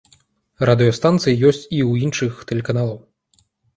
Радыёстанцыі ёсць і ў іншых тэлеканалаў.